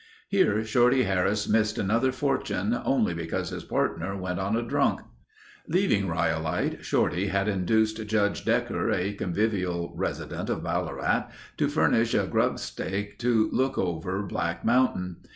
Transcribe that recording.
Here Shorty Harris missed another fortune only because his partner went on a drunk. Leaving Rhyolite, Shorty had induced Judge Decker, a convivial resident of Ballarat to furnish a grubstake to look over Black Mountain.